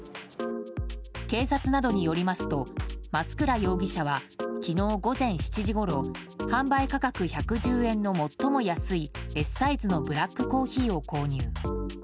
警察などによりますと増倉容疑者は昨日午前７時ごろ販売価格１１０円の最も安いＳサイズのブラックコーヒーを購入。